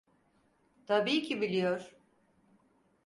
Tabii ki biliyor.